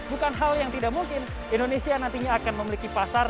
bukan hal yang tidak mungkin indonesia nantinya akan memiliki pasar